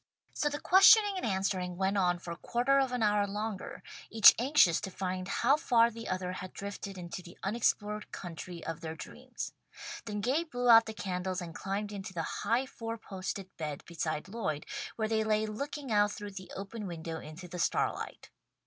So the questioning and answering went on for quarter of an hour longer, each anxious to find how far the other had drifted into the unexplored country of their dreams. Then Gay blew out the candles and climbed into the high four posted bed beside Lloyd, where they lay looking out through the open window into the starlight.